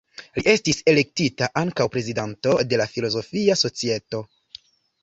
Li estis elektita ankaŭ prezidanto de la filozofia societo.